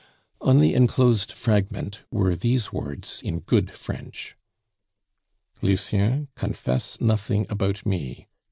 On the enclosed fragment were these words in good French: "Lucien, confess nothing about me.